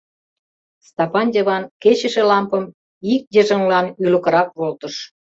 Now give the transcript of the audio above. Стапан Йыван кечыше лампым ик йыжыҥлан ӱлыкырак волтыш.